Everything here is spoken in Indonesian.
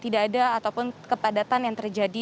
tidak ada ataupun kepadatan yang terjadi